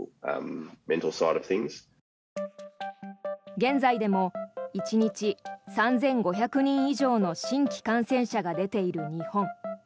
現在でも１日３５００人以上の新規感染者が出ている日本。